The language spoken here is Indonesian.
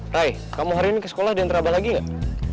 rai kamu hari ini ke sekolah diantara abah lagi gak